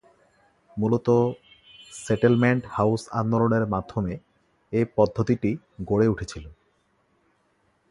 মূলত settlement house আন্দোলনের মাধ্যমে এই পদ্ধতিটি গড়ে উঠেছিল।